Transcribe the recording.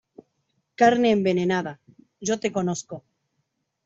carne envenenada. yo te conozco .